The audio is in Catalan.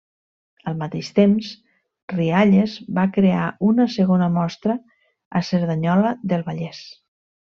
Al mateix temps, Rialles va crear una segona mostra a Cerdanyola del Vallès.